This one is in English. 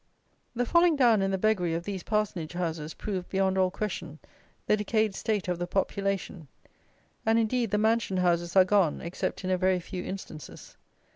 The falling down and the beggary of these parsonage houses prove beyond all question the decayed state of the population. And, indeed, the mansion houses are gone, except in a very few instances.